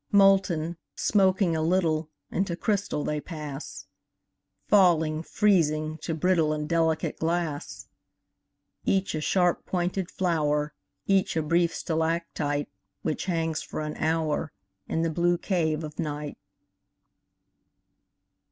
Molten, smoking a little, Into crystal they pass; Falling, freezing, to brittle And delicate glass. Each a sharp pointed flower, Each a brief stalactite Which hangs for an hour In the blue cave of night.